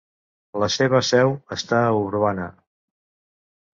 La seva seu està a Urbana.